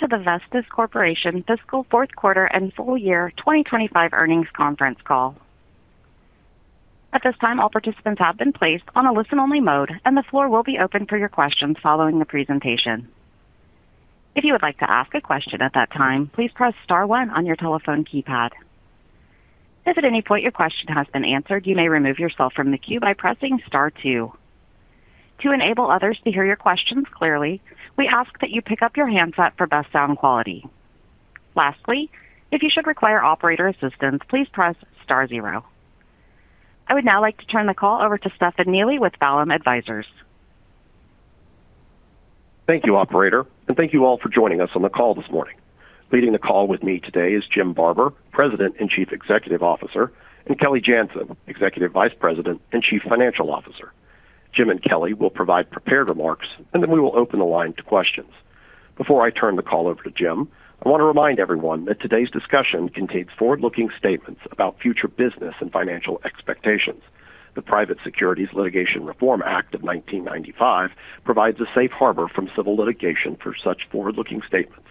To the Vestis Corporation Fiscal Fourth Quarter and Full Year 2025 Earnings Conference Call. At this time, all participants have been placed on a listen-only mode, and the floor will be open for your questions following the presentation. If you would like to ask a question at that time, please press star 1 on your telephone keypad. If at any point your question has been answered, you may remove yourself from the queue by pressing star 2. To enable others to hear your questions clearly, we ask that you pick up your handset for best sound quality. Lastly, if you should require operator assistance, please press star 0. I would now like to turn the call over to Stefan Neely with Vallum Advisors. Thank you, Operator, and thank you all for joining us on the call this morning. Leading the call with me today is Jim Barber, President and Chief Executive Officer, and Kelly Janzen, Executive Vice President and Chief Financial Officer. Jim and Kelly will provide prepared remarks, and then we will open the line to questions. Before I turn the call over to Jim, I want to remind everyone that today's discussion contains forward-looking statements about future business and financial expectations. The Private Securities Litigation Reform Act of 1995 provides a safe harbor from civil litigation for such forward-looking statements.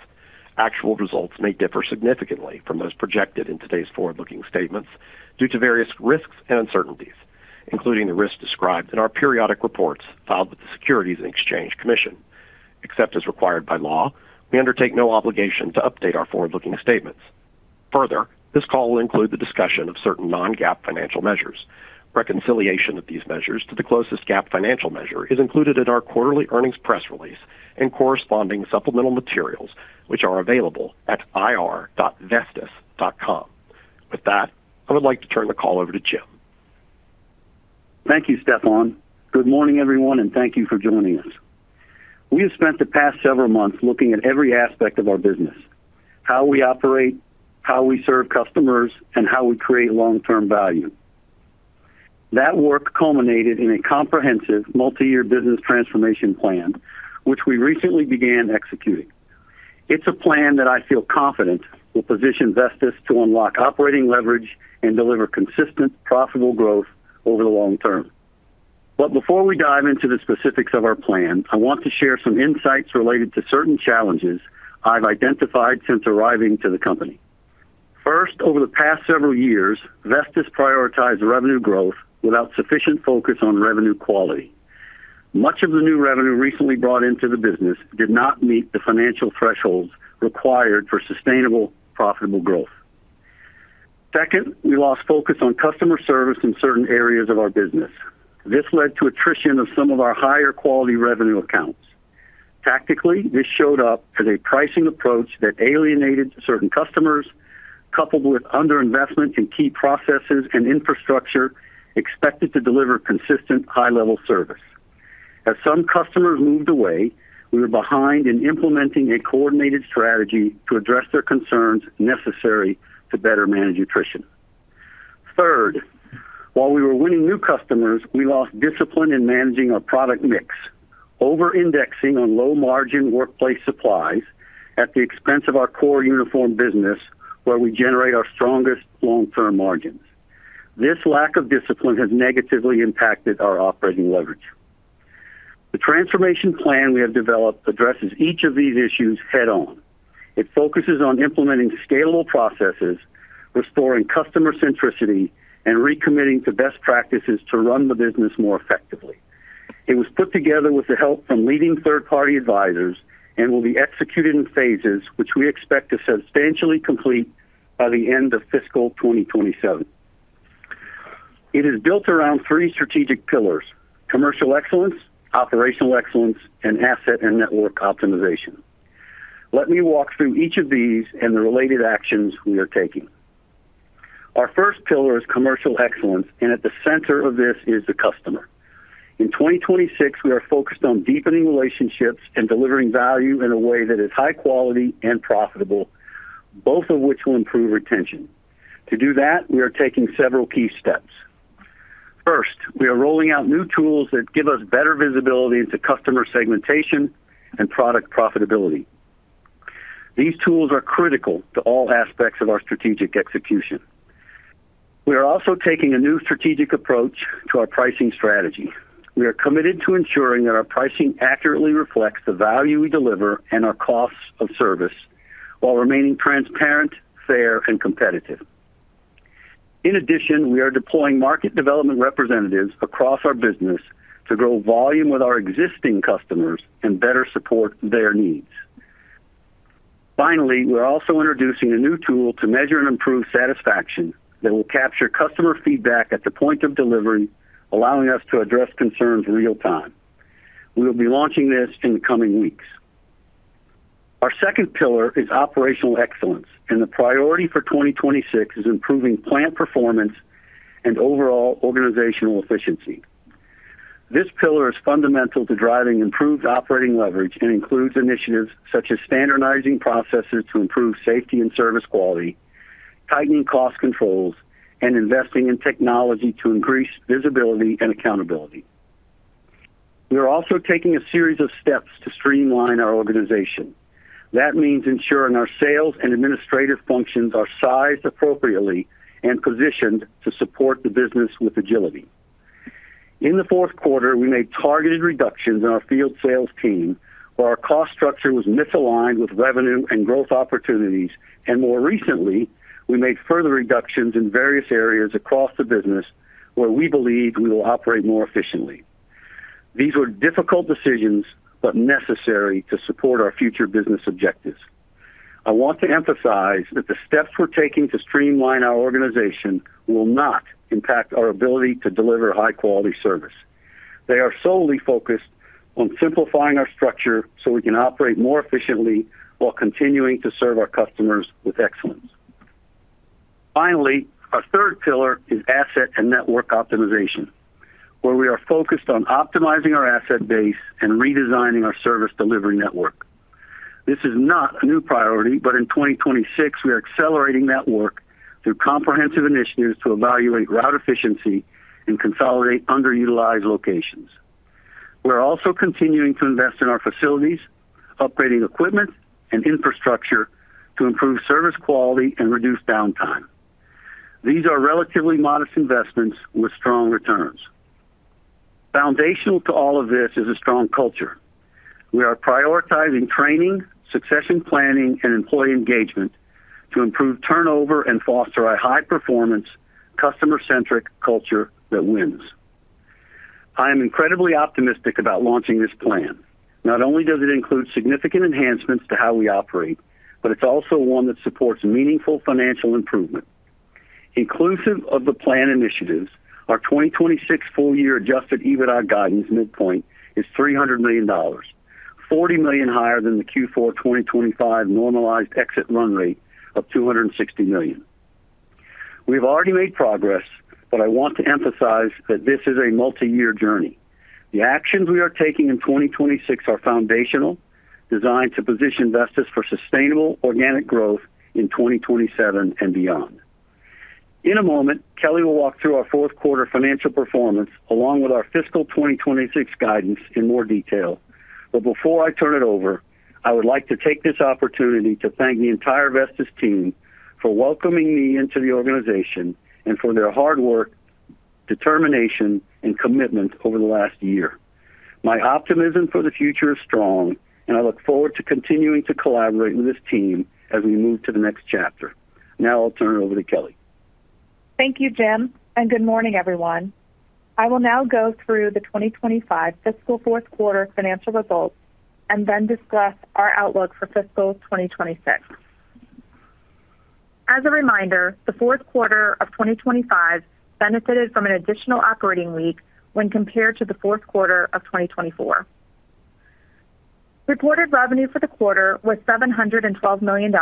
Actual results may differ significantly from those projected in today's forward-looking statements due to various risks and uncertainties, including the risks described in our periodic reports filed with the Securities and Exchange Commission. Except as required by law, we undertake no obligation to update our forward-looking statements. Further, this call will include the discussion of certain non-GAAP financial measures. Reconciliation of these measures to the closest GAAP financial measure is included in our quarterly earnings press release and corresponding supplemental materials, which are available at irvestis.com. With that, I would like to turn the call over to Jim. Thank you, Stefan. Good morning, everyone, and thank you for joining us. We have spent the past several months looking at every aspect of our business: how we operate, how we serve customers, and how we create long-term value. That work culminated in a comprehensive multi-year business transformation plan, which we recently began executing. It is a plan that I feel confident will position Vestis to unlock operating leverage and deliver consistent, profitable growth over the long term. Before we dive into the specifics of our plan, I want to share some insights related to certain challenges I have identified since arriving to the company. First, over the past several years, Vestis prioritized revenue growth without sufficient focus on revenue quality. Much of the new revenue recently brought into the business did not meet the financial thresholds required for sustainable, profitable growth. Second, we lost focus on customer service in certain areas of our business. This led to attrition of some of our higher-quality revenue accounts. Tactically, this showed up as a pricing approach that alienated certain customers, coupled with underinvestment in key processes and infrastructure expected to deliver consistent, high-level service. As some customers moved away, we were behind in implementing a coordinated strategy to address their concerns necessary to better manage attrition. Third, while we were winning new customers, we lost discipline in managing our product mix, over-indexing on low-margin workplace supplies at the expense of our core uniform business, where we generate our strongest long-term margins. This lack of discipline has negatively impacted our operating leverage. The transformation plan we have developed addresses each of these issues head-on. It focuses on implementing scalable processes, restoring customer centricity, and recommitting to best practices to run the business more effectively. It was put together with the help from leading third-party advisors and will be executed in phases, which we expect to substantially complete by the end of fiscal 2027. It is built around three strategic pillars: commercial excellence, operational excellence, and asset and network optimization. Let me walk through each of these and the related actions we are taking. Our first pillar is commercial excellence, and at the center of this is the customer. In 2026, we are focused on deepening relationships and delivering value in a way that is high-quality and profitable, both of which will improve retention. To do that, we are taking several key steps. First, we are rolling out new tools that give us better visibility into customer segmentation and product profitability. These tools are critical to all aspects of our strategic execution. We are also taking a new strategic approach to our pricing strategy. We are committed to ensuring that our pricing accurately reflects the value we deliver and our costs of service while remaining transparent, fair, and competitive. In addition, we are deploying market development representatives across our business to grow volume with our existing customers and better support their needs. Finally, we're also introducing a new tool to measure and improve satisfaction that will capture customer feedback at the point of delivery, allowing us to address concerns real-time. We will be launching this in the coming weeks. Our second pillar is operational excellence, and the priority for 2026 is improving plant performance and overall organizational efficiency. This pillar is fundamental to driving improved operating leverage and includes initiatives such as standardizing processes to improve safety and service quality, tightening cost controls, and investing in technology to increase visibility and accountability. We are also taking a series of steps to streamline our organization. That means ensuring our sales and administrative functions are sized appropriately and positioned to support the business with agility. In the fourth quarter, we made targeted reductions in our field sales team where our cost structure was misaligned with revenue and growth opportunities, and more recently, we made further reductions in various areas across the business where we believe we will operate more efficiently. These were difficult decisions but necessary to support our future business objectives. I want to emphasize that the steps we're taking to streamline our organization will not impact our ability to deliver high-quality service. They are solely focused on simplifying our structure so we can operate more efficiently while continuing to serve our customers with excellence. Finally, our third pillar is asset and network optimization, where we are focused on optimizing our asset base and redesigning our service delivery network. This is not a new priority, but in 2026, we are accelerating that work through comprehensive initiatives to evaluate route efficiency and consolidate underutilized locations. We're also continuing to invest in our facilities, upgrading equipment and infrastructure to improve service quality and reduce downtime. These are relatively modest investments with strong returns. Foundational to all of this is a strong culture. We are prioritizing training, succession planning, and employee engagement to improve turnover and foster a high-performance, customer-centric culture that wins. I am incredibly optimistic about launching this plan. Not only does it include significant enhancements to how we operate, but it's also one that supports meaningful financial improvement. Inclusive of the plan initiatives, our 2026 full-year adjusted EBITDA guidance midpoint is $300 million, $40 million higher than the Q4 2025 normalized exit run rate of $260 million. We have already made progress, but I want to emphasize that this is a multi-year journey. The actions we are taking in 2026 are foundational, designed to position Vestis for sustainable organic growth in 2027 and beyond. In a moment, Kelly will walk through our fourth quarter financial performance along with our fiscal 2026 guidance in more detail, but before I turn it over, I would like to take this opportunity to thank the entire Vestis team for welcoming me into the organization and for their hard work, determination, and commitment over the last year. My optimism for the future is strong, and I look forward to continuing to collaborate with this team as we move to the next chapter. Now I'll turn it over to Kelly. Thank you, Jim, and good morning, everyone. I will now go through the 2025 fiscal fourth quarter financial results and then discuss our outlook for fiscal 2026. As a reminder, the fourth quarter of 2025 benefited from an additional operating week when compared to the fourth quarter of 2024. Reported revenue for the quarter was $712 million,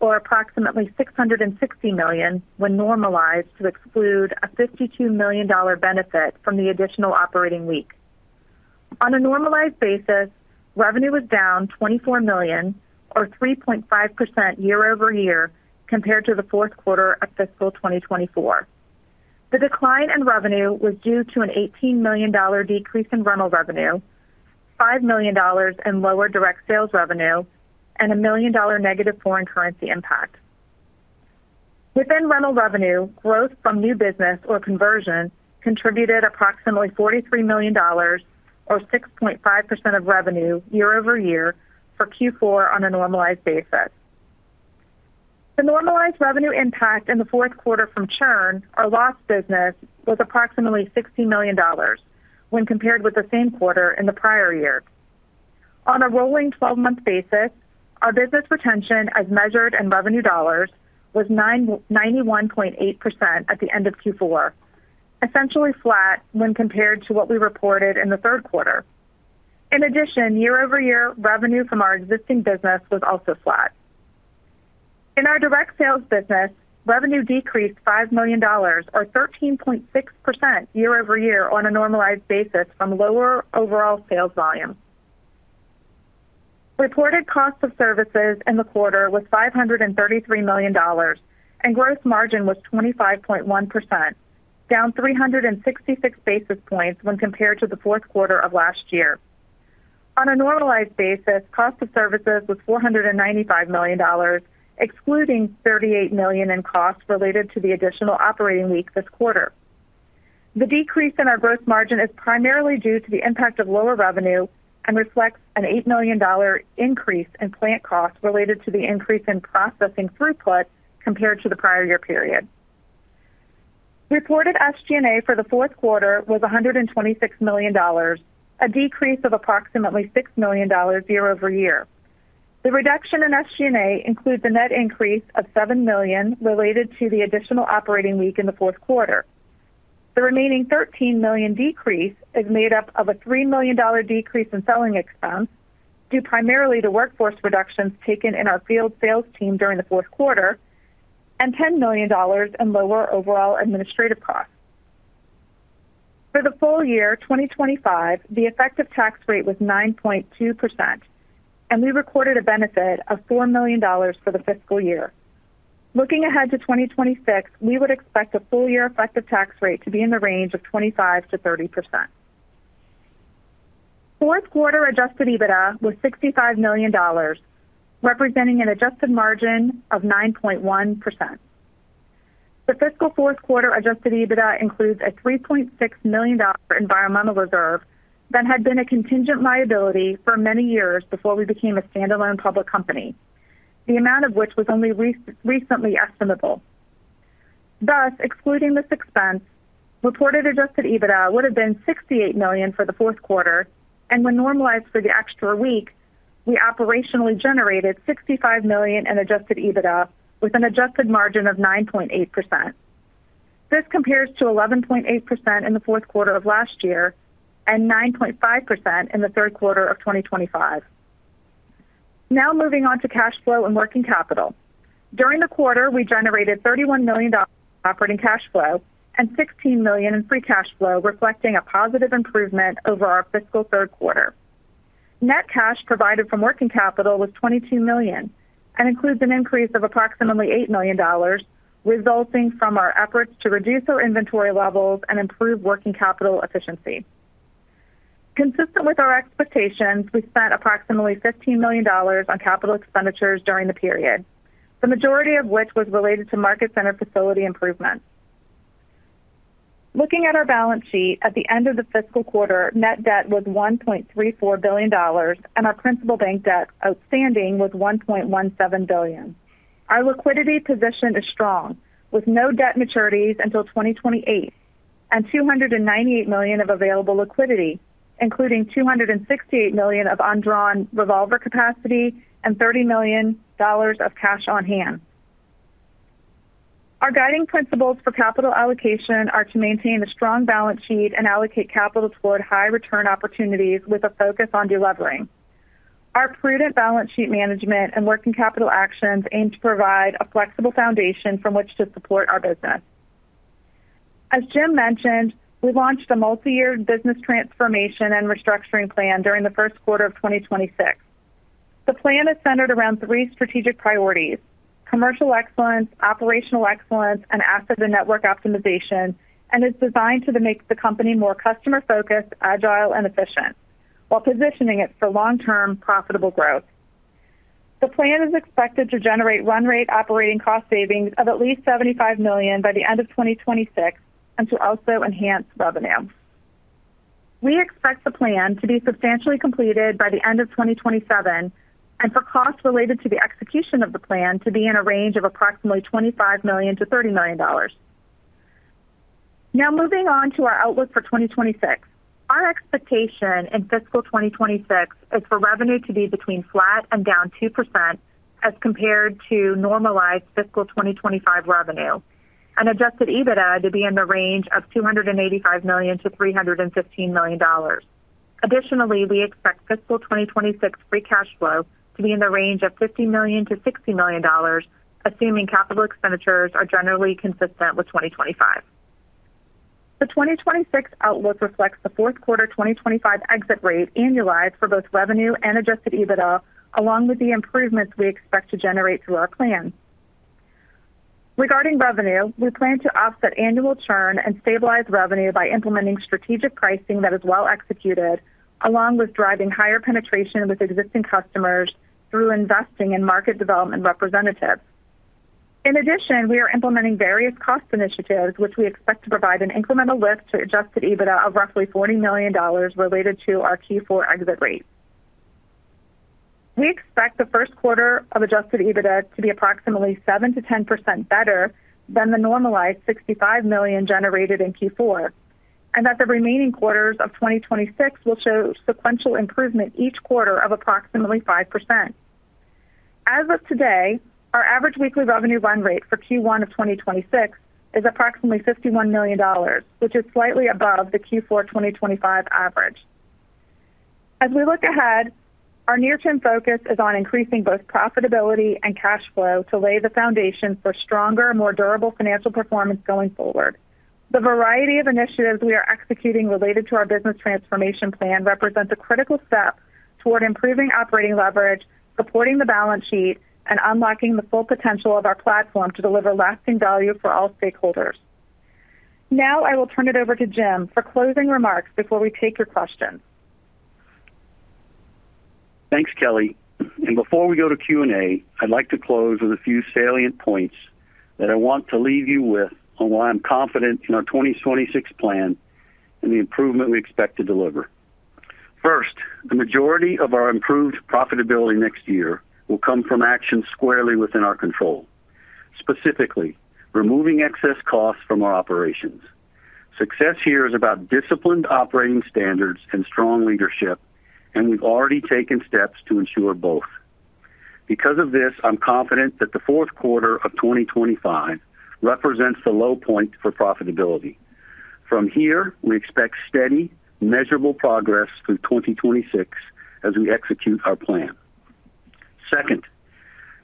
or approximately $660 million when normalized to exclude a $52 million benefit from the additional operating week. On a normalized basis, revenue was down $24 million, or 3.5% year-over-year compared to the fourth quarter of fiscal 2024. The decline in revenue was due to an $18 million decrease in rental revenue, $5 million in lower direct sales revenue, and a million-dollar negative foreign currency impact. Within rental revenue, growth from new business or conversion contributed approximately $43 million, or 6.5% of revenue year-over-year for Q4 on a normalized basis. The normalized revenue impact in the fourth quarter from churn or lost business was approximately $60 million when compared with the same quarter in the prior year. On a rolling 12-month basis, our business retention as measured in revenue dollars was 91.8% at the end of Q4, essentially flat when compared to what we reported in the third quarter. In addition, year-over-year revenue from our existing business was also flat. In our direct sales business, revenue decreased $5 million, or 13.6% year-over-year on a normalized basis from lower overall sales volume. Reported cost of services in the quarter was $533 million, and gross margin was 25.1%, down 366 basis points when compared to the fourth quarter of last year. On a normalized basis, cost of services was $495 million, excluding $38 million in costs related to the additional operating week this quarter. The decrease in our gross margin is primarily due to the impact of lower revenue and reflects an $8 million increase in plant costs related to the increase in processing throughput compared to the prior year period. Reported SG&A for the fourth quarter was $126 million, a decrease of approximately $6 million year-over-year. The reduction in SG&A includes a net increase of $7 million related to the additional operating week in the fourth quarter. The remaining $13 million decrease is made up of a $3 million decrease in selling expense due primarily to workforce reductions taken in our field sales team during the fourth quarter and $10 million in lower overall administrative costs. For the full year, 2025, the effective tax rate was 9.2%, and we recorded a benefit of $4 million for the fiscal year. Looking ahead to 2026, we would expect the full-year effective tax rate to be in the range of 25-30%. Fourth quarter adjusted EBITDA was $65 million, representing an adjusted margin of 9.1%. The fiscal fourth quarter adjusted EBITDA includes a $3.6 million environmental reserve that had been a contingent liability for many years before we became a standalone public company, the amount of which was only recently estimable. Thus, excluding this expense, reported adjusted EBITDA would have been $68 million for the fourth quarter, and when normalized for the extra week, we operationally generated $65 million in adjusted EBITDA with an adjusted margin of 9.8%. This compares to 11.8% in the fourth quarter of last year and 9.5% in the third quarter of 2025. Now moving on to cash flow and working capital. During the quarter, we generated $31 million in operating cash flow and $16 million in free cash flow, reflecting a positive improvement over our fiscal third quarter. Net cash provided from working capital was $22 million and includes an increase of approximately $8 million, resulting from our efforts to reduce our inventory levels and improve working capital efficiency. Consistent with our expectations, we spent approximately $15 million on capital expenditures during the period, the majority of which was related to market center facility improvements. Looking at our balance sheet, at the end of the fiscal quarter, net debt was $1.34 billion, and our principal bank debt outstanding was $1.17 billion. Our liquidity position is strong, with no debt maturities until 2028 and $298 million of available liquidity, including $268 million of undrawn revolver capacity and $30 million of cash on hand. Our guiding principles for capital allocation are to maintain a strong balance sheet and allocate capital toward high-return opportunities with a focus on delivering. Our prudent balance sheet management and working capital actions aim to provide a flexible foundation from which to support our business. As Jim mentioned, we launched a multi-year business transformation and restructuring plan during the first quarter of 2026. The plan is centered around three strategic priorities: commercial excellence, operational excellence, and asset and network optimization, and is designed to make the company more customer-focused, agile, and efficient, while positioning it for long-term profitable growth. The plan is expected to generate run-rate operating cost savings of at least $75 million by the end of 2026 and to also enhance revenue. We expect the plan to be substantially completed by the end of 2027 and for costs related to the execution of the plan to be in a range of approximately $25 million-$30 million. Now moving on to our outlook for 2026. Our expectation in fiscal 2026 is for revenue to be between flat and down 2% as compared to normalized fiscal 2025 revenue, and adjusted EBITDA to be in the range of $285 million-$315 million. Additionally, we expect fiscal 2026 free cash flow to be in the range of $50 million-$60 million, assuming capital expenditures are generally consistent with 2025. The 2026 outlook reflects the fourth quarter 2025 exit rate annualized for both revenue and adjusted EBITDA, along with the improvements we expect to generate through our plan. Regarding revenue, we plan to offset annual churn and stabilize revenue by implementing strategic pricing that is well executed, along with driving higher penetration with existing customers through investing in market development representatives. In addition, we are implementing various cost initiatives, which we expect to provide an incremental lift to adjusted EBITDA of roughly $40 million related to our Q4 exit rate. We expect the first quarter of adjusted EBITDA to be approximately 7%-10% better than the normalized $65 million generated in Q4, and that the remaining quarters of 2026 will show sequential improvement each quarter of approximately 5%. As of today, our average weekly revenue run rate for Q1 of 2026 is approximately $51 million, which is slightly above the Q4 2025 average. As we look ahead, our near-term focus is on increasing both profitability and cash flow to lay the foundation for stronger, more durable financial performance going forward. The variety of initiatives we are executing related to our business transformation plan represents a critical step toward improving operating leverage, supporting the balance sheet, and unlocking the full potential of our platform to deliver lasting value for all stakeholders. Now I will turn it over to Jim for closing remarks before we take your questions. Thanks, Kelly. Before we go to Q&A, I'd like to close with a few salient points that I want to leave you with on why I'm confident in our 2026 plan and the improvement we expect to deliver. First, the majority of our improved profitability next year will come from actions squarely within our control, specifically removing excess costs from our operations. Success here is about disciplined operating standards and strong leadership, and we've already taken steps to ensure both. Because of this, I'm confident that the fourth quarter of 2025 represents the low point for profitability. From here, we expect steady, measurable progress through 2026 as we execute our plan. Second,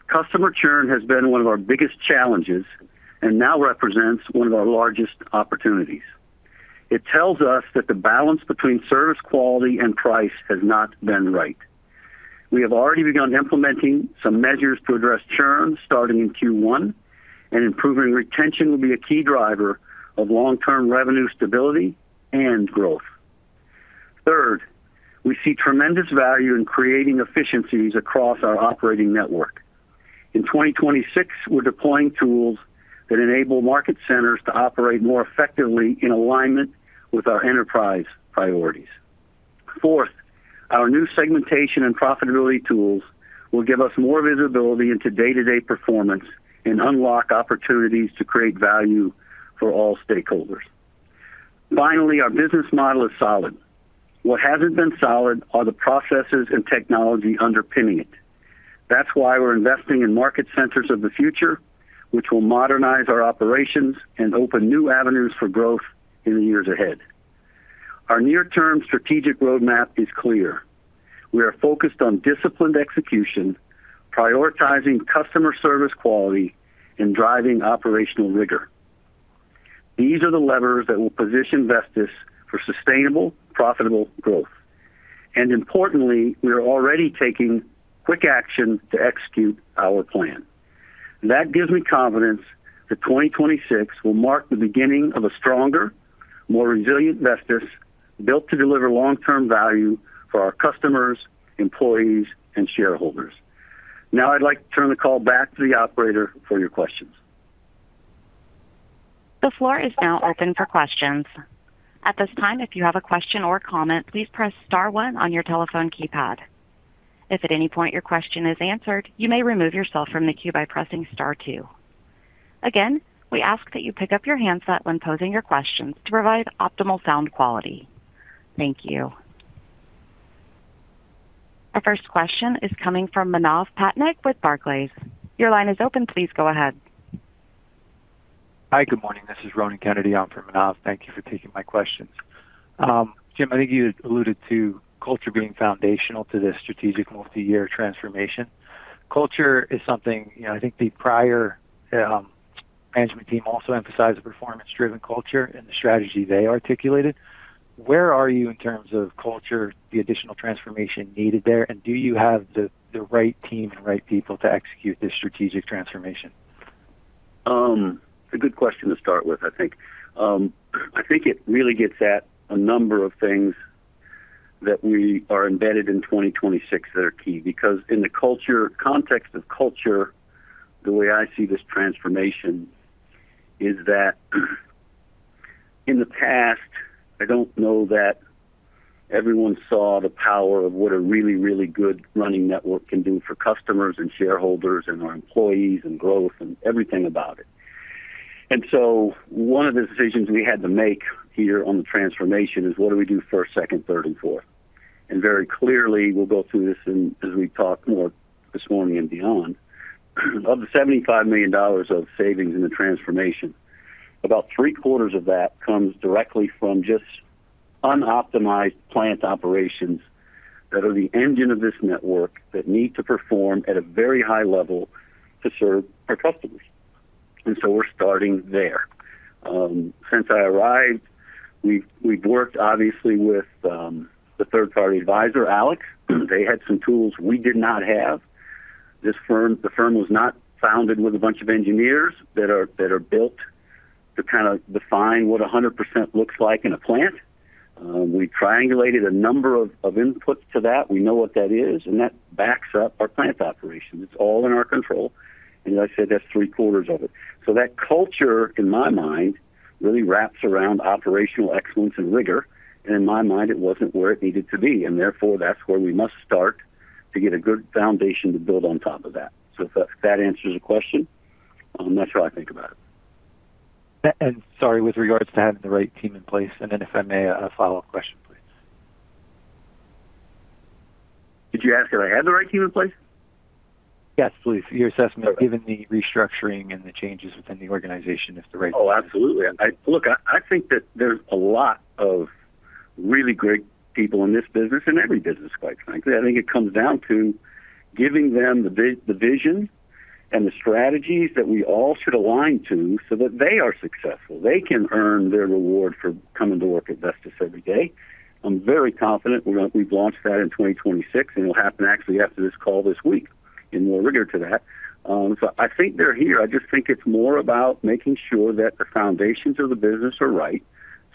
customer churn has been one of our biggest challenges and now represents one of our largest opportunities. It tells us that the balance between service quality and price has not been right. We have already begun implementing some measures to address churn starting in Q1, and improving retention will be a key driver of long-term revenue stability and growth. Third, we see tremendous value in creating efficiencies across our operating network. In 2026, we're deploying tools that enable market centers to operate more effectively in alignment with our enterprise priorities. Fourth, our new segmentation and profitability tools will give us more visibility into day-to-day performance and unlock opportunities to create value for all stakeholders. Finally, our business model is solid. What has not been solid are the processes and technology underpinning it. That is why we're investing in market centers of the future, which will modernize our operations and open new avenues for growth in the years ahead. Our near-term strategic roadmap is clear. We are focused on disciplined execution, prioritizing customer service quality and driving operational rigor. These are the levers that will position Vestis for sustainable, profitable growth. Importantly, we are already taking quick action to execute our plan. That gives me confidence that 2026 will mark the beginning of a stronger, more resilient Vestis built to deliver long-term value for our customers, employees, and shareholders. Now I'd like to turn the call back to the operator for your questions. The floor is now open for questions. At this time, if you have a question or comment, please press star 1 on your telephone keypad. If at any point your question is answered, you may remove yourself from the queue by pressing star 2. Again, we ask that you pick up your handset when posing your questions to provide optimal sound quality. Thank you. Our first question is coming from Manav Patnaik with Barclays. Your line is open. Please go ahead. Hi, good morning. This is Ronan Kennedy. I'm for Manav. Thank you for taking my questions. Jim, I think you alluded to culture being foundational to this strategic multi-year transformation. Culture is something I think the prior management team also emphasized: a performance-driven culture and the strategy they articulated. Where are you in terms of culture, the additional transformation needed there, and do you have the right team and right people to execute this strategic transformation? A good question to start with, I think. I think it really gets at a number of things that we are embedded in 2026 that are key because in the context of culture, the way I see this transformation is that in the past, I do not know that everyone saw the power of what a really, really good running network can do for customers and shareholders and our employees and growth and everything about it. One of the decisions we had to make here on the transformation is what do we do first, second, third, and fourth? Very clearly, we will go through this as we talk more this morning and beyond. Of the $75 million of savings in the transformation, about three-quarters of that comes directly from just unoptimized plant operations that are the engine of this network that need to perform at a very high level to serve our customers. We are starting there. Since I arrived, we have worked obviously with the third-party advisor, AlixPartners. They had some tools we did not have. The firm was not founded with a bunch of engineers that are built to kind of define what 100% looks like in a plant. We triangulated a number of inputs to that. We know what that is, and that backs up our plant operations. It is all in our control. As I said, that is three-quarters of it. That culture, in my mind, really wraps around operational excellence and rigor. In my mind, it was not where it needed to be. Therefore, that's where we must start to get a good foundation to build on top of that. If that answers your question, that's how I think about it. Sorry, with regards to having the right team in place, and then if I may, a follow-up question, please. Did you ask if I had the right team in place? Yes, please. Your assessment, given the restructuring and the changes within the organization, if the right team is there? Oh, absolutely. Look, I think that there's a lot of really great people in this business and every business, quite frankly. I think it comes down to giving them the vision and the strategies that we all should align to so that they are successful. They can earn their reward for coming to work at Vestis every day. I'm very confident we've launched that in 2026, and it'll happen actually after this call this week in more rigor to that. I think they're here. I just think it's more about making sure that the foundations of the business are right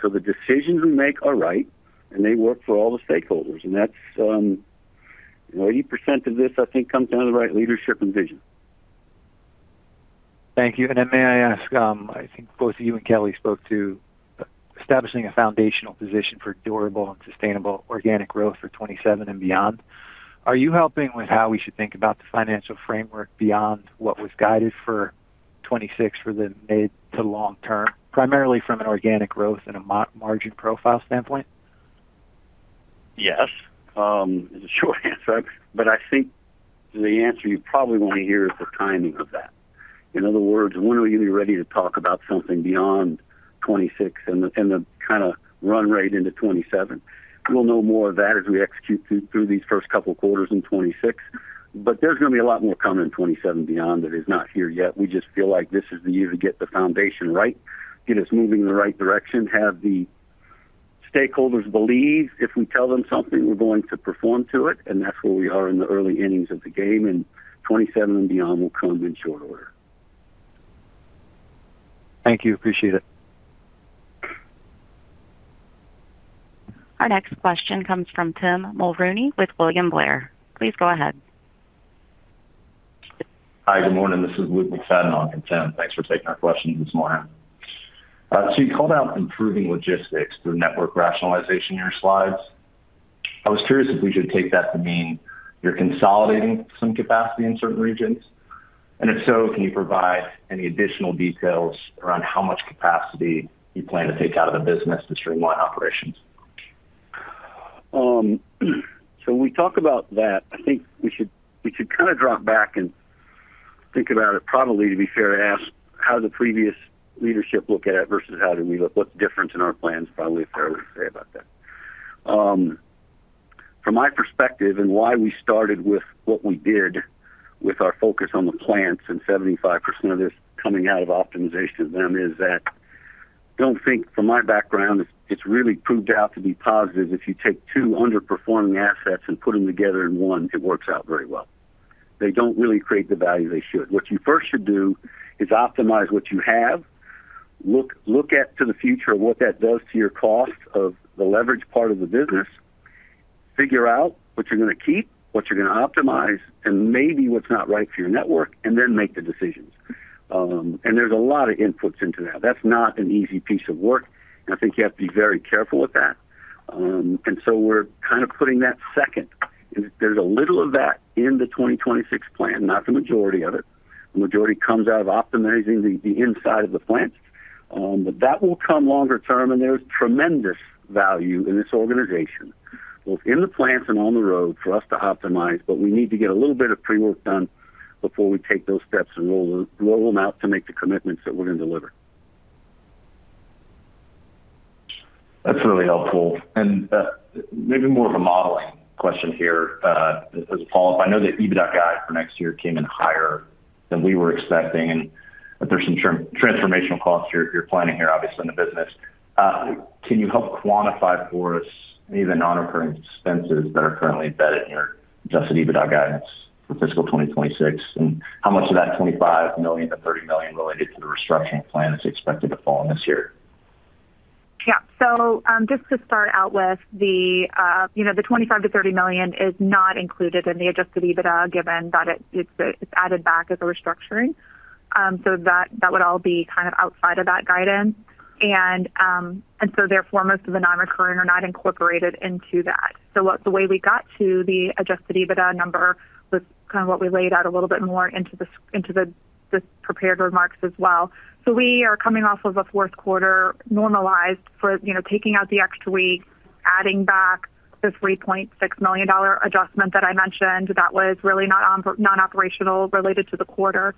so the decisions we make are right and they work for all the stakeholders. 80% of this, I think, comes down to the right leadership and vision. Thank you. May I ask, I think both of you and Kelly spoke to establishing a foundational position for durable and sustainable organic growth for 2027 and beyond. Are you helping with how we should think about the financial framework beyond what was guided for 2026 for the mid to long term, primarily from an organic growth and a margin profile standpoint? Yes. It's a short answer, but I think the answer you probably want to hear is the timing of that. In other words, when are you ready to talk about something beyond 2026 and the kind of run rate into 2027? We'll know more of that as we execute through these first couple of quarters in 2026, but there's going to be a lot more coming in 2027 beyond that is not here yet. We just feel like this is the year to get the foundation right, get us moving in the right direction, have the stakeholders believe if we tell them something, we're going to perform to it, and that's where we are in the early innings of the game, and 2027 and beyond will come in short order. Thank you. Appreciate it. Our next question comes from Tim Mulrooney with William Blair. Please go ahead. Hi, good morning. This is Ludwig Fadenauer for Tim. Thanks for taking our questions this morning. You called out improving logistics through network rationalization in your slides. I was curious if we should take that to mean you're consolidating some capacity in certain regions. If so, can you provide any additional details around how much capacity you plan to take out of the business to streamline operations? When we talk about that, I think we should kind of drop back and think about it, probably to be fair to ask, how did the previous leadership look at it versus how did we look? What's different in our plans, probably a fair way to say about that. From my perspective and why we started with what we did with our focus on the plants and 75% of this coming out of optimization of them is that I don't think from my background, it's really proved out to be positive if you take two underperforming assets and put them together in one, it works out very well. They don't really create the value they should. What you first should do is optimize what you have, look at to the future of what that does to your cost of the leverage part of the business, figure out what you're going to keep, what you're going to optimize, and maybe what's not right for your network, and then make the decisions. There are a lot of inputs into that. That's not an easy piece of work. I think you have to be very careful with that. We're kind of putting that second. There's a little of that in the 2026 plan, not the majority of it. The majority comes out of optimizing the inside of the plants, but that will come longer term, and there's tremendous value in this organization, both in the plants and on the road for us to optimize, but we need to get a little bit of pre-work done before we take those steps and roll them out to make the commitments that we're going to deliver. That's really helpful. Maybe more of a modeling question here as a follow-up. I know that EBITDA guide for next year came in higher than we were expecting, and there's some transformational costs you're planning here, obviously, in the business. Can you help quantify for us any of the non-occurring expenses that are currently embedded in your adjusted EBITDA guidance for fiscal 2026, and how much of that $25 million-$30 million related to the restructuring plan is expected to fall in this year? Yeah. Just to start out with, the $25 million-$30 million is not included in the adjusted EBITDA given that it's added back as a restructuring. That would all be kind of outside of that guidance. Therefore, most of the non-recurring are not incorporated into that. The way we got to the adjusted EBITDA number was kind of what we laid out a little bit more into the prepared remarks as well. We are coming off of a fourth quarter normalized for taking out the extra week, adding back the $3.6 million adjustment that I mentioned that was really not operational related to the quarter.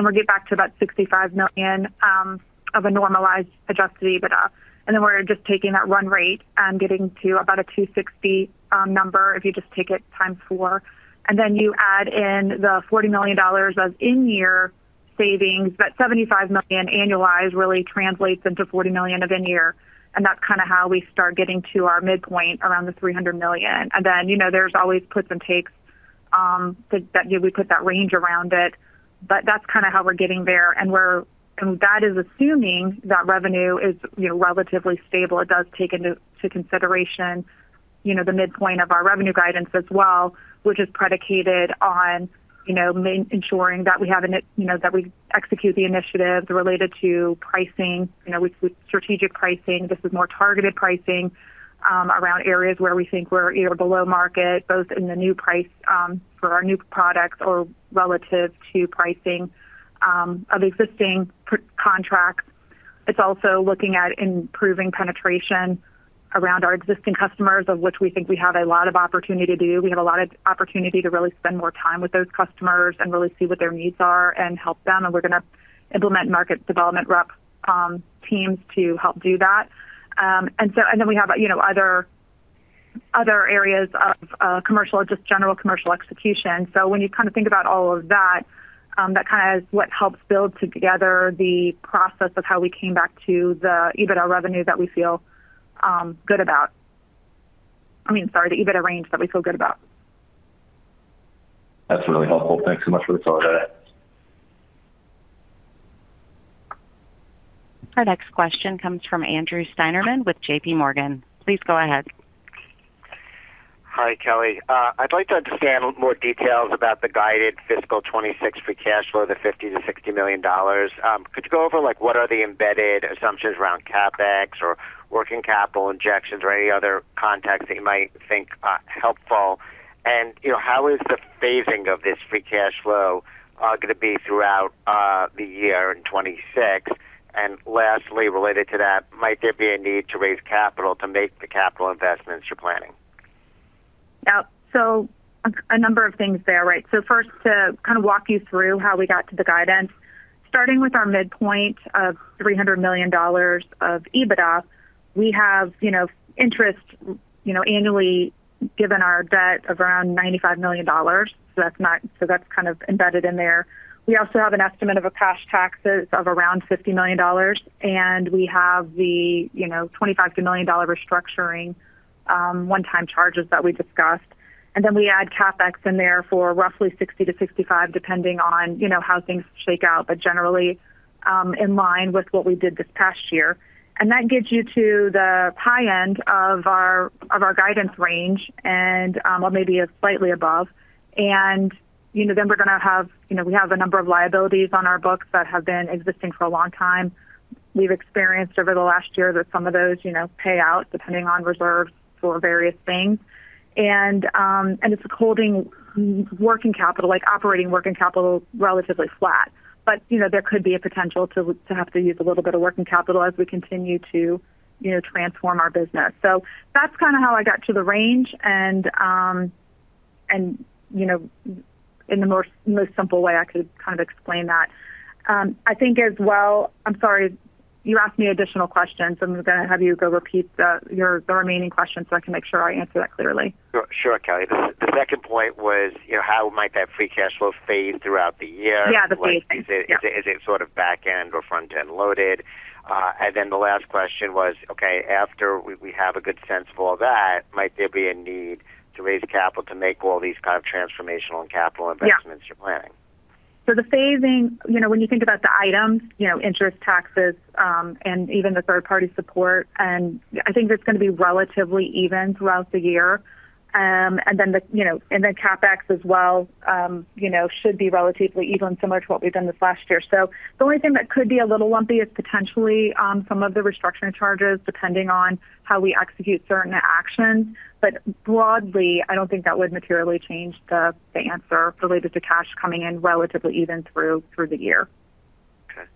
We'll get back to about $65 million of a normalized adjusted EBITDA. Then we're just taking that run rate and getting to about a $260 million number if you just take it times four. You add in the $40 million of in-year savings, but $75 million annualized really translates into $40 million of in-year. That is kind of how we start getting to our midpoint around the $300 million. There are always puts and takes that we put that range around it, but that is kind of how we are getting there. That is assuming that revenue is relatively stable. It does take into consideration the midpoint of our revenue guidance as well, which is predicated on ensuring that we have and that we execute the initiatives related to pricing, strategic pricing. This is more targeted pricing around areas where we think we are either below market, both in the new price for our new products or relative to pricing of existing contracts. It's also looking at improving penetration around our existing customers, of which we think we have a lot of opportunity to do. We have a lot of opportunity to really spend more time with those customers and really see what their needs are and help them. We're going to implement market development rep teams to help do that. We have other areas of commercial, just general commercial execution. When you kind of think about all of that, that kind of is what helps build together the process of how we came back to the EBITDA range that we feel good about. I mean, sorry, the EBITDA range that we feel good about. That's really helpful. Thanks so much for the thought of that. Our next question comes from Andrew Steinerman with JPMorgan. Please go ahead. Hi, Kelly. I'd like to understand more details about the guided fiscal 2026 free cash flow, the $50-$60 million. Could you go over what are the embedded assumptions around CapEx or working capital injections or any other context that you might think helpful? How is the phasing of this free cash flow going to be throughout the year in 2026? Lastly, related to that, might there be a need to raise capital to make the capital investments you're planning? Yeah. So a number of things there, right? First, to kind of walk you through how we got to the guidance. Starting with our midpoint of $300 million of EBITDA, we have interest annually given our debt of around $95 million. That's kind of embedded in there. We also have an estimate of cash taxes of around $50 million, and we have the $25 million restructuring one-time charges that we discussed. We add CapEx in there for roughly $60 million-$65 million, depending on how things shake out, but generally in line with what we did this past year. That gets you to the high end of our guidance range and maybe slightly above. We have a number of liabilities on our books that have been existing for a long time. We've experienced over the last year that some of those pay out depending on reserves for various things. It's holding working capital, like operating working capital, relatively flat, but there could be a potential to have to use a little bit of working capital as we continue to transform our business. That's kind of how I got to the range and in the most simple way I could kind of explain that. I think as well, I'm sorry, you asked me additional questions. I'm going to have you go repeat the remaining questions so I can make sure I answer that clearly. Sure, Kelly. The second point was, how might that free cash flow fade throughout the year? Yeah, the phasing. Is it sort of back-end or front-end loaded? The last question was, okay, after we have a good sense of all that, might there be a need to raise capital to make all these kind of transformational and capital investments you're planning? Yeah. The phasing, when you think about the items, interest, taxes, and even the third-party support, I think it's going to be relatively even throughout the year. The CapEx as well should be relatively even, similar to what we've done this last year. The only thing that could be a little lumpy is potentially some of the restructuring charges depending on how we execute certain actions. Broadly, I don't think that would materially change the answer related to cash coming in relatively even through the year. Okay.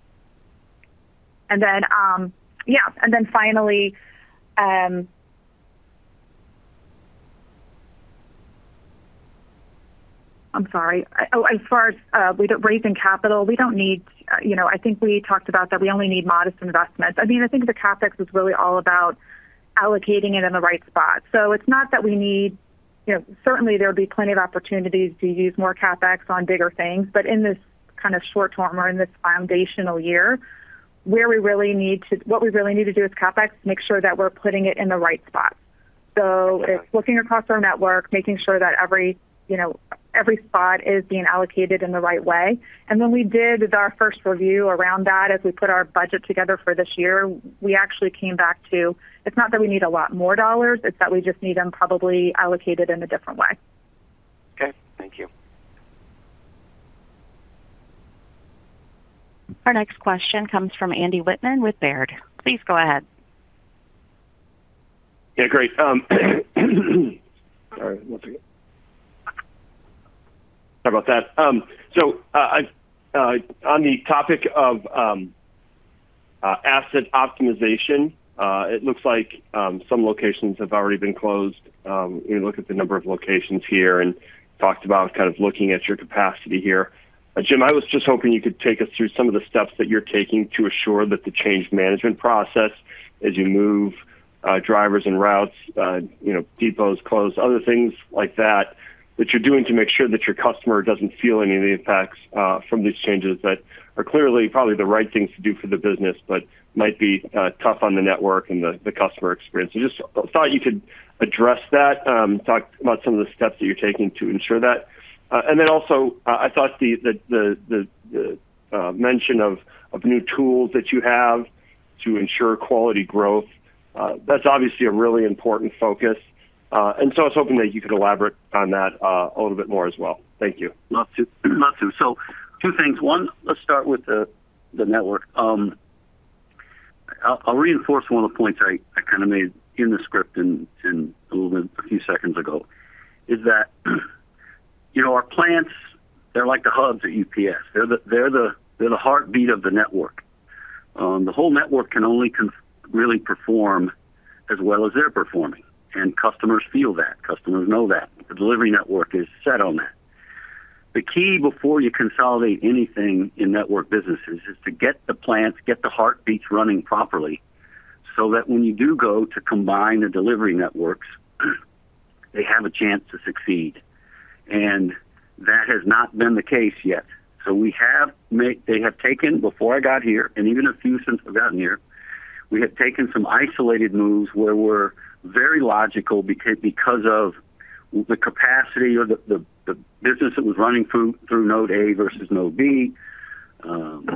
Yeah. And then finally, I'm sorry. As far as raising capital, we don't need, I think we talked about that we only need modest investments. I mean, I think the CapEx is really all about allocating it in the right spot. It's not that we need, certainly, there would be plenty of opportunities to use more CapEx on bigger things, but in this kind of short term or in this foundational year, what we really need to do with CapEx is make sure that we're putting it in the right spot. It's looking across our network, making sure that every spot is being allocated in the right way. When we did our first review around that, as we put our budget together for this year, we actually came back to it's not that we need a lot more dollars, it's that we just need them probably allocated in a different way. Okay. Thank you. Our next question comes from Andy Wittmann with Baird. Please go ahead. Yeah, great. Sorry, one second. Sorry about that. On the topic of asset optimization, it looks like some locations have already been closed. We look at the number of locations here and talked about kind of looking at your capacity here. Jim, I was just hoping you could take us through some of the steps that you're taking to assure that the change management process, as you move drivers and routes, depots close, other things like that, that you're doing to make sure that your customer doesn't feel any of the impacts from these changes that are clearly probably the right things to do for the business, but might be tough on the network and the customer experience. Just thought you could address that, talk about some of the steps that you're taking to ensure that. I thought the mention of new tools that you have to ensure quality growth, that's obviously a really important focus. I was hoping that you could elaborate on that a little bit more as well. Thank you. Not to. Two things. One, let's start with the network. I'll reinforce one of the points I kind of made in the script a few seconds ago, is that our plants, they're like the hubs at UPS. They're the heartbeat of the network. The whole network can only really perform as well as they're performing. Customers feel that. Customers know that. The delivery network is set on that. The key before you consolidate anything in network businesses is to get the plants, get the heartbeats running properly so that when you do go to combine the delivery networks, they have a chance to succeed. That has not been the case yet. They have taken, before I got here, and even a few since I've gotten here, we have taken some isolated moves where we were very logical because of the capacity of the business that was running through node A versus node B,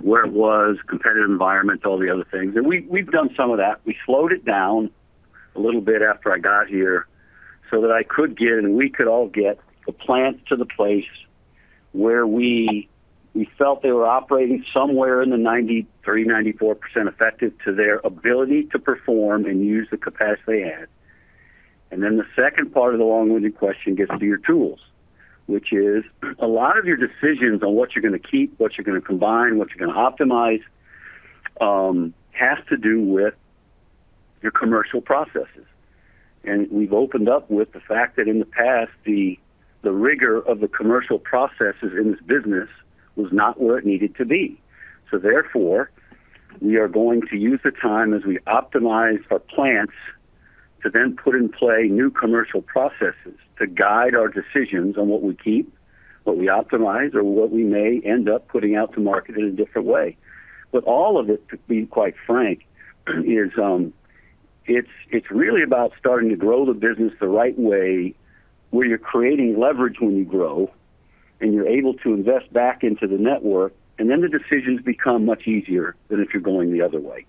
where it was, competitive environment, all the other things. We have done some of that. We slowed it down a little bit after I got here so that I could get and we could all get the plants to the place where we felt they were operating somewhere in the 93-94% effective to their ability to perform and use the capacity they had. The second part of the long-winded question gets to your tools, which is a lot of your decisions on what you're going to keep, what you're going to combine, what you're going to optimize has to do with your commercial processes. We have opened up with the fact that in the past, the rigor of the commercial processes in this business was not where it needed to be. Therefore, we are going to use the time as we optimize our plants to then put in play new commercial processes to guide our decisions on what we keep, what we optimize, or what we may end up putting out to market in a different way. All of it, to be quite frank, is really about starting to grow the business the right way where you're creating leverage when you grow and you're able to invest back into the network, and then the decisions become much easier than if you're going the other way.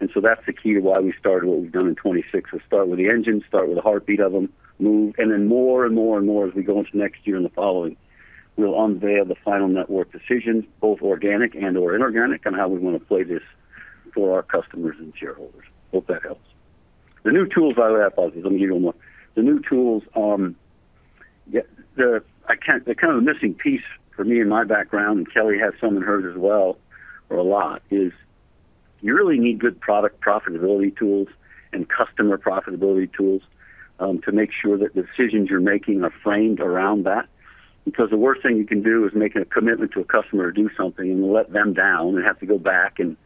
That is the key to why we started what we've done in 2026. We'll start with the engine, start with the heartbeat of them, move, and then more and more and more as we go into next year and the following, we'll unveil the final network decisions, both organic and/or inorganic, and how we want to play this for our customers and shareholders. Hope that helps. The new tools I would have thought is let me give you one more. The new tools, they're kind of a missing piece for me in my background, and Kelly has some in hers as well, or a lot, is you really need good product profitability tools and customer profitability tools to make sure that the decisions you're making are framed around that. Because the worst thing you can do is make a commitment to a customer to do something and let them down and have to go back and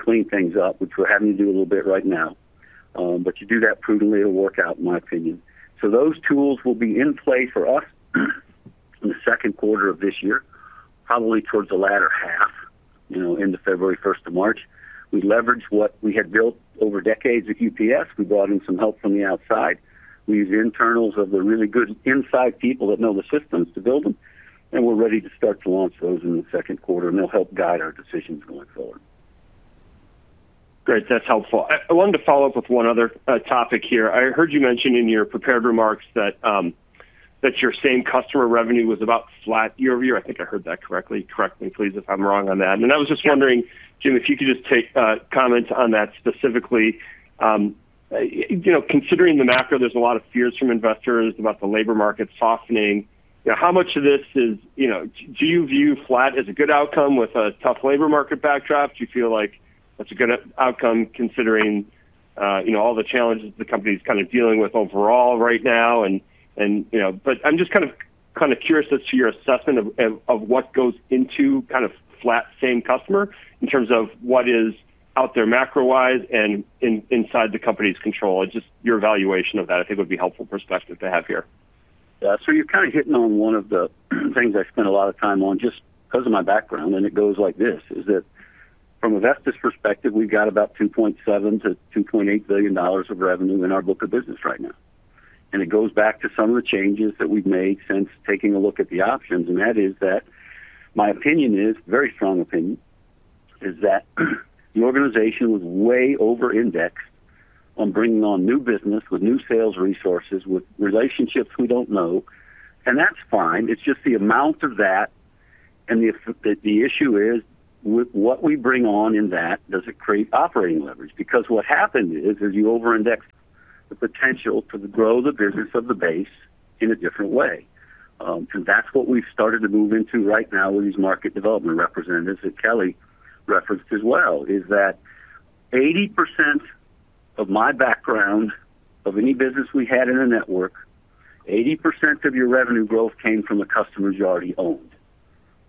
clean things up, which we're having to do a little bit right now. You do that prudently, it'll work out, in my opinion. Those tools will be in play for us in the second quarter of this year, probably towards the latter half, end of February, first of March. We leverage what we had built over decades at UPS. We brought in some help from the outside. We use internals of the really good inside people that know the systems to build them. We're ready to start to launch those in the second quarter, and they'll help guide our decisions going forward. Great. That's helpful. I wanted to follow up with one other topic here. I heard you mention in your prepared remarks that your same customer revenue was about flat year over year. I think I heard that correctly. Correct me, please, if I'm wrong on that. I was just wondering, Jim, if you could just comment on that specifically. Considering the macro, there's a lot of fears from investors about the labor market softening. How much of this is do you view flat as a good outcome with a tough labor market backdrop? Do you feel like that's a good outcome considering all the challenges the company is kind of dealing with overall right now? I'm just kind of curious as to your assessment of what goes into kind of flat same customer in terms of what is out there macro-wise and inside the company's control. Just your evaluation of that, I think, would be helpful perspective to have here. Yeah. You're kind of hitting on one of the things I spend a lot of time on just because of my background, and it goes like this, is that from a Vestis perspective, we've got about $2.7 billion-$2.8 billion of revenue in our book of business right now. It goes back to some of the changes that we've made since taking a look at the options. That is that my opinion is, very strong opinion, is that the organization was way over-indexed on bringing on new business with new sales resources with relationships we don't know. That's fine. It's just the amount of that. The issue is, what we bring on in that, does it create operating leverage? What happened is, you over-index the potential to grow the business of the base in a different way. That is what we have started to move into right now with these market development representatives that Kelly referenced as well, is that 80% of my background of any business we had in the network, 80% of your revenue growth came from a customer you already owned.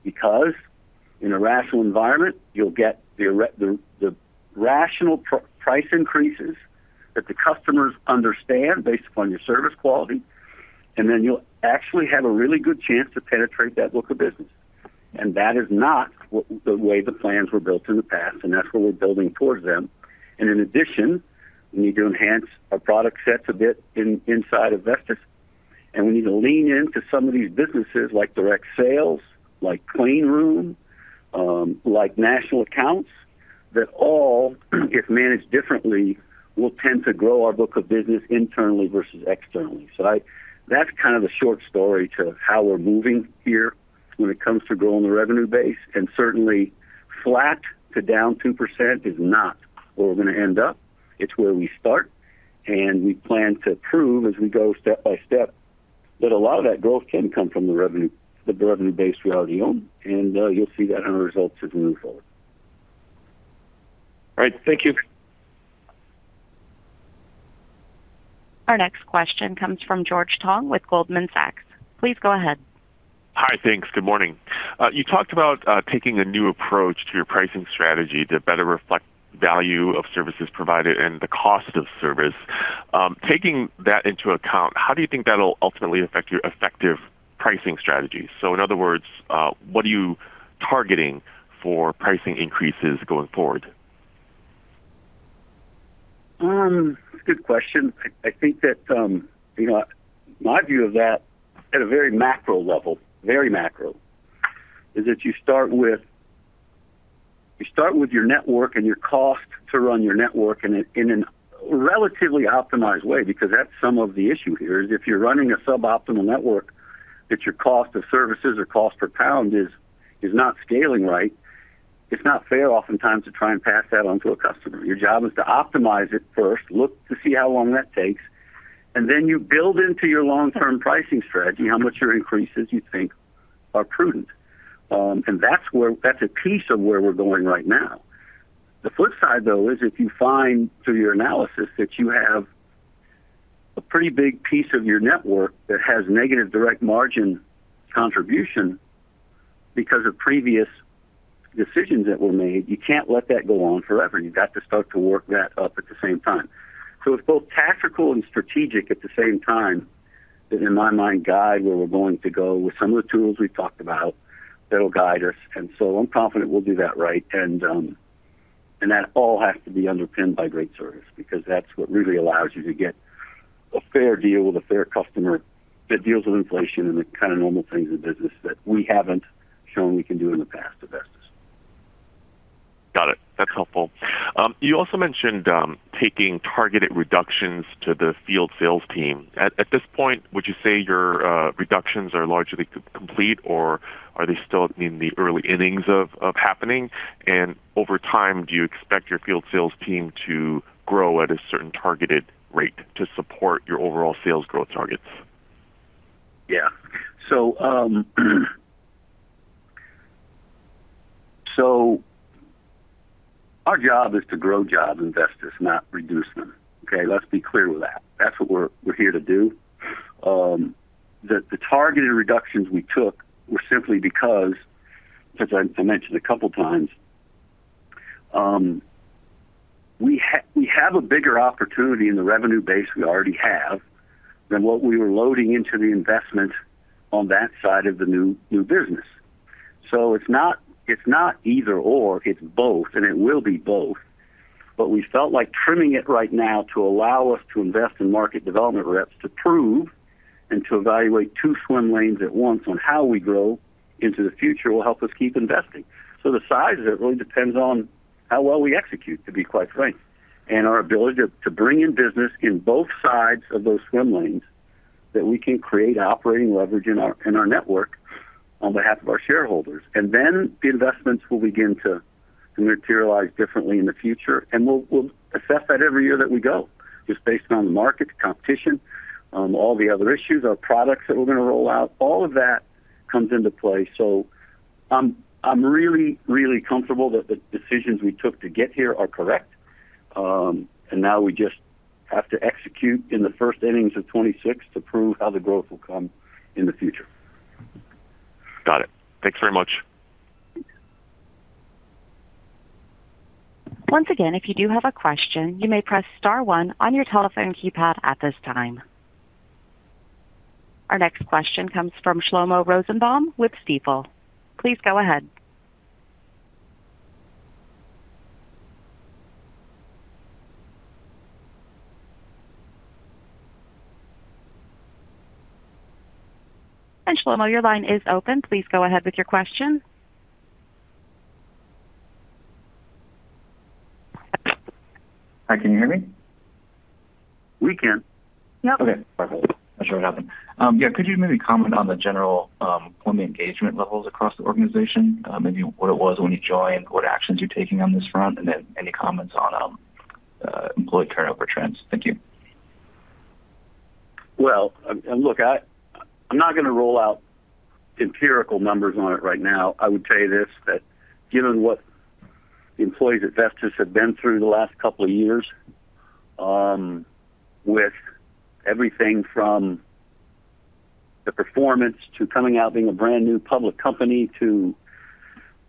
Because in a rational environment, you will get the rational price increases that the customers understand based upon your service quality, and then you will actually have a really good chance to penetrate that book of business. That is not the way the plans were built in the past, and that is what we are building towards them. In addition, we need to enhance our product sets a bit inside of Vestis. We need to lean into some of these businesses like direct sales, like clean room, like national accounts that all, if managed differently, will tend to grow our book of business internally versus externally. That is kind of the short story to how we are moving here when it comes to growing the revenue base. Certainly, flat to down 2% is not where we are going to end up. It is where we start. We plan to prove as we go step by step that a lot of that growth can come from the revenue base we already own. You will see that in our results as we move forward. All right. Thank you. Our next question comes from George Tong with Goldman Sachs. Please go ahead. Hi, thanks. Good morning. You talked about taking a new approach to your pricing strategy to better reflect the value of services provided and the cost of service. Taking that into account, how do you think that'll ultimately affect your effective pricing strategy? In other words, what are you targeting for pricing increases going forward? Good question. I think that my view of that at a very macro level, very macro, is that you start with your network and your cost to run your network in a relatively optimized way. Because that's some of the issue here, is if you're running a suboptimal network, that your cost of services or cost per pound is not scaling right, it's not fair oftentimes to try and pass that on to a customer. Your job is to optimize it first, look to see how long that takes, and then you build into your long-term pricing strategy how much your increases you think are prudent. That's a piece of where we're going right now. The flip side, though, is if you find through your analysis that you have a pretty big piece of your network that has negative direct margin contribution because of previous decisions that were made, you can't let that go on forever. You have to start to work that up at the same time. It is both tactical and strategic at the same time that, in my mind, guide where we are going to go with some of the tools we have talked about that will guide us. I am confident we will do that right. That all has to be underpinned by great service because that is what really allows you to get a fair deal with a fair customer that deals with inflation and the kind of normal things in business that we have not shown we can do in the past at Vestis. Got it. That's helpful. You also mentioned taking targeted reductions to the field sales team. At this point, would you say your reductions are largely complete, or are they still in the early innings of happening? Over time, do you expect your field sales team to grow at a certain targeted rate to support your overall sales growth targets? Yeah. Our job is to grow jobs in Vestis, not reduce them. Okay? Let's be clear with that. That's what we're here to do. The targeted reductions we took were simply because, as I mentioned a couple of times, we have a bigger opportunity in the revenue base we already have than what we were loading into the investment on that side of the new business. It's not either/or. It's both, and it will be both. We felt like trimming it right now to allow us to invest in market development reps to prove and to evaluate two swim lanes at once on how we grow into the future will help us keep investing. The size of it really depends on how well we execute, to be quite frank, and our ability to bring in business in both sides of those swim lanes that we can create operating leverage in our network on behalf of our shareholders. The investments will begin to materialize differently in the future. We will assess that every year that we go just based on the market, the competition, all the other issues, our products that we are going to roll out. All of that comes into play. I am really, really comfortable that the decisions we took to get here are correct. Now we just have to execute in the first innings of 2026 to prove how the growth will come in the future. Got it. Thanks very much. Once again, if you do have a question, you may press star one on your telephone keypad at this time. Our next question comes from Shlomo Rosenbaum with Stifel. Please go ahead. Shlomo, your line is open. Please go ahead with your question. Hi. Can you hear me? We can. Yep. Okay. Perfect. I'll show it up. Yeah. Could you maybe comment on the general employee engagement levels across the organization, maybe what it was when you joined, what actions you're taking on this front, and then any comments on employee turnover trends? Thank you. I'm not going to roll out empirical numbers on it right now. I would tell you this: that given what the employees at Vestis have been through the last couple of years with everything from the performance to coming out being a brand new public company to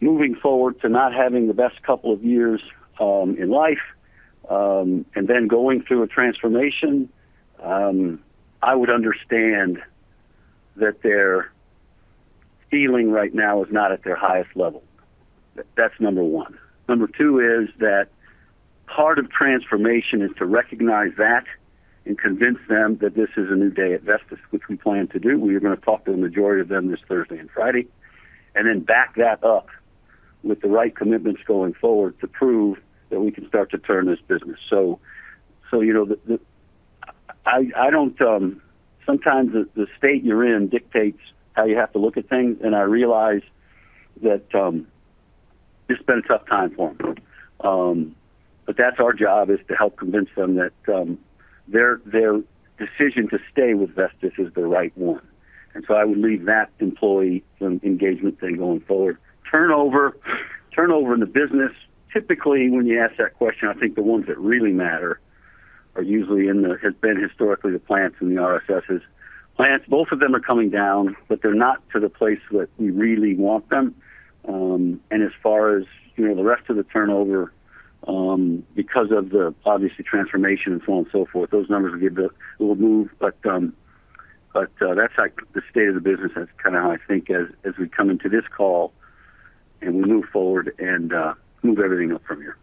moving forward to not having the best couple of years in life and then going through a transformation, I would understand that their feeling right now is not at their highest level. That's number one. Number two is that part of transformation is to recognize that and convince them that this is a new day at Vestis, which we plan to do. We are going to talk to the majority of them this Thursday and Friday and then back that up with the right commitments going forward to prove that we can start to turn this business. I don't sometimes the state you're in dictates how you have to look at things. I realize that this has been a tough time for them. That's our job, is to help convince them that their decision to stay with Vestis is the right one. I would leave that employee engagement thing going forward. Turnover in the business, typically when you ask that question, I think the ones that really matter are usually in the, has been historically, the plants and the RSSs. Plants, both of them are coming down, but they're not to the place that we really want them. As far as the rest of the turnover, because of the obviously transformation and so on and so forth, those numbers will move. That's the state of the business. That's kind of how I think as we come into this call and we move forward and move everything up from here.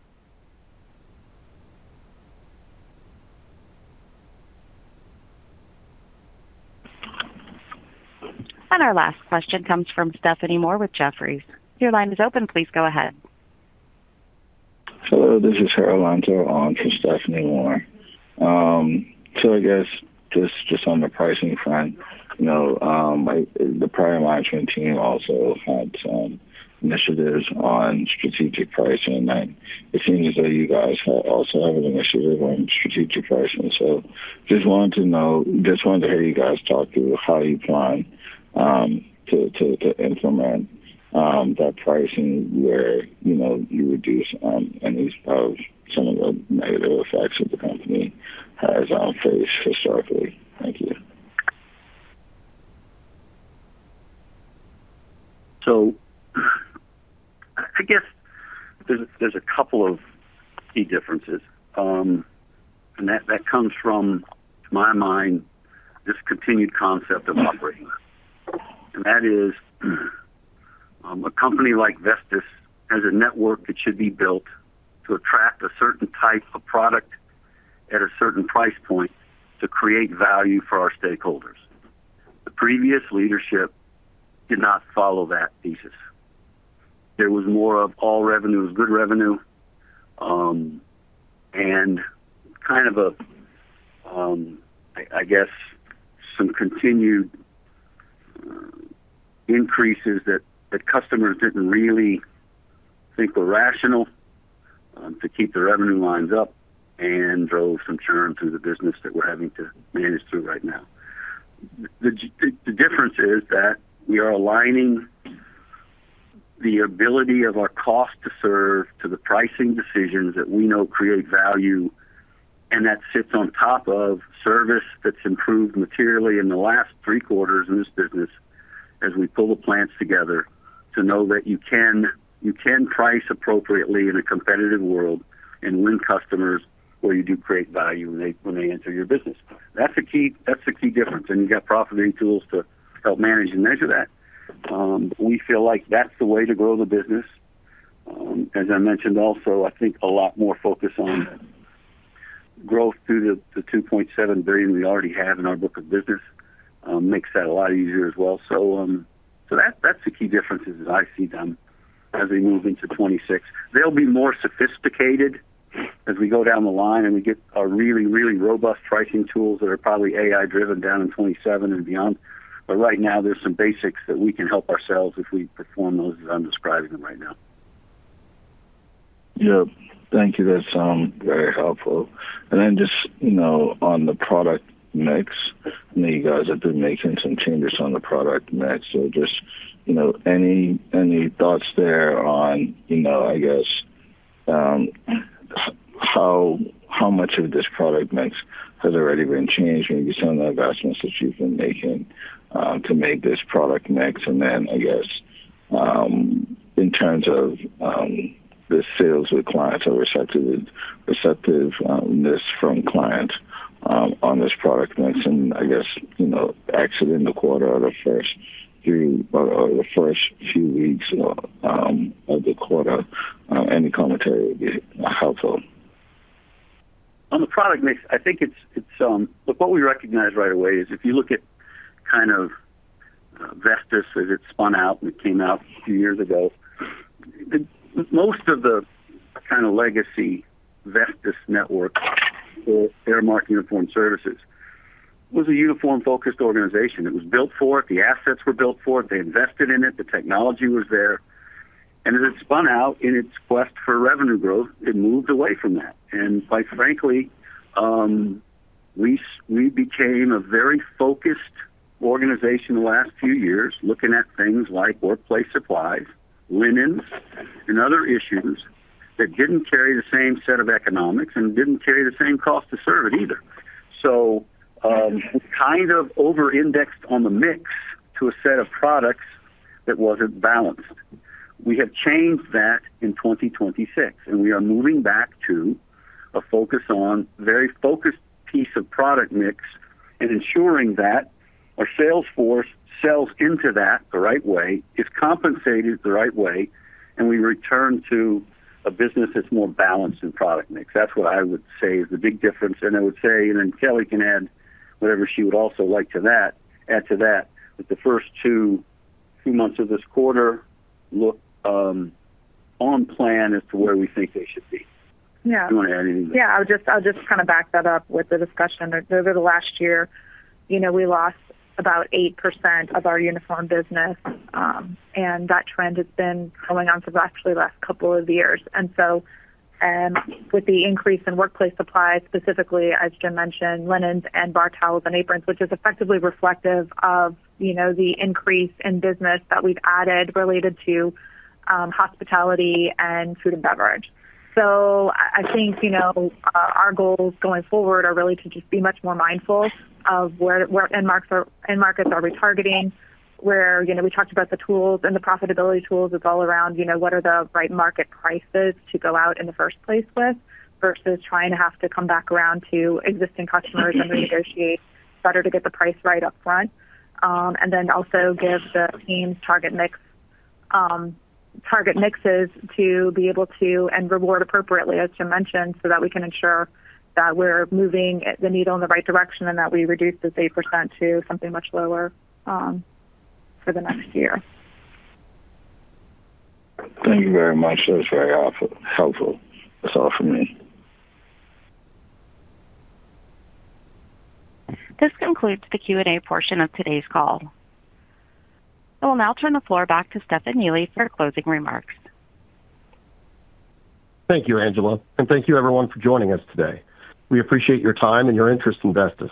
Our last question comes from Stephanie Moore with Jefferies. Your line is open. Please go ahead. Hello. This is Heri Lonto on for Stephanie Moore. I guess just on the pricing front, the prior management team also had some initiatives on strategic pricing. It seems as though you guys also have an initiative on strategic pricing. I just wanted to know, just wanted to hear you guys talk through how you plan to implement that pricing where you reduce any of some of the negative effects that the company has faced historically. Thank you. I guess there's a couple of key differences. That comes from, to my mind, this continued concept of operating level. That is, a company like Vestis has a network that should be built to attract a certain type of product at a certain price point to create value for our stakeholders. The previous leadership did not follow that thesis. There was more of all revenue is good revenue and kind of a, I guess, some continued increases that customers didn't really think were rational to keep the revenue lines up and drove some churn through the business that we're having to manage through right now. The difference is that we are aligning the ability of our cost to serve to the pricing decisions that we know create value. That sits on top of service that's improved materially in the last three quarters in this business as we pull the plants together to know that you can price appropriately in a competitive world and win customers where you do create value when they enter your business. That's the key difference. You've got profiting tools to help manage and measure that. We feel like that's the way to grow the business. As I mentioned also, I think a lot more focus on growth through the $2.7 billion we already have in our book of business makes that a lot easier as well. That's the key differences as I see them as we move into 2026. They'll be more sophisticated as we go down the line and we get our really, really robust pricing tools that are probably AI-driven down in 2027 and beyond. Right now, there's some basics that we can help ourselves if we perform those as I'm describing them right now. Yeah. Thank you. That's very helpful. Just on the product mix, I know you guys have been making some changes on the product mix. Just any thoughts there on, I guess, how much of this product mix has already been changed when you're just on the investments that you've been making to make this product mix? In terms of the sales with clients or receptiveness from clients on this product mix and, I guess, exiting the quarter or the first few weeks of the quarter, any commentary would be helpful. On the product mix, I think it's what we recognize right away is if you look at kind of Vestis as it spun out and it came out a few years ago, most of the kind of legacy Vestis network for Aramark Uniform Services was a uniform-focused organization. It was built for it. The assets were built for it. They invested in it. The technology was there. As it spun out in its quest for revenue growth, it moved away from that. Quite frankly, we became a very focused organization in the last few years looking at things like workplace supplies, linens, and other issues that didn't carry the same set of economics and didn't carry the same cost to serve it either. It's kind of over-indexed on the mix to a set of products that wasn't balanced. We have changed that in 2026. We are moving back to a focus on a very focused piece of product mix and ensuring that our sales force sells into that the right way, is compensated the right way, and we return to a business that's more balanced in product mix. That is what I would say is the big difference. I would say, and then Kelly can add whatever she would also like to that, add to that that the first two months of this quarter look on plan as to where we think they should be. Do you want to add anything to that? Yeah. I'll just kind of back that up with the discussion. Over the last year, we lost about 8% of our uniform business. That trend has been going on for actually the last couple of years. With the increase in workplace supplies, specifically, as Jim mentioned, linens and bar towels and aprons, which is effectively reflective of the increase in business that we've added related to hospitality and food and beverage. I think our goals going forward are really to just be much more mindful of where end markets are retargeting, where we talked about the tools and the profitability tools. It's all around what are the right market prices to go out in the first place with versus trying to have to come back around to existing customers and renegotiate better to get the price right up front. We also give the teams target mixes to be able to and reward appropriately, as Jim mentioned, so that we can ensure that we're moving the needle in the right direction and that we reduce this 8% to something much lower for the next year. Thank you very much. That was very helpful. That's all from me. This concludes the Q&A portion of today's call. I will now turn the floor back to Stefan Neely for closing remarks. Thank you, Angela. Thank you, everyone, for joining us today. We appreciate your time and your interest in Vestis.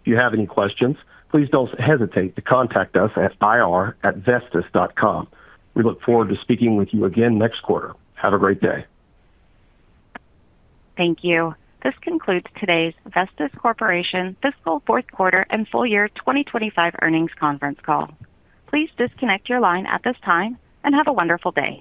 If you have any questions, please do not hesitate to contact us at ir@vestis.com. We look forward to speaking with you again next quarter. Have a great day. Thank you. This concludes today's Vestis Corporation Fiscal Fourth Quarter and Full Year 2025 Earnings Conference Call. Please disconnect your line at this time and have a wonderful day.